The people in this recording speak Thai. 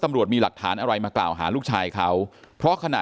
ตำรวจมีหลักฐานอะไรมากล่าวหาลูกชายเขา